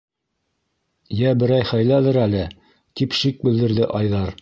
- Йә берәй хәйләлер әле, - тип шик белдерҙе Айҙар.